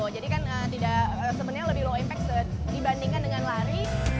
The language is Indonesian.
jadi kan sebenarnya lebih low impact dibandingkan dengan lari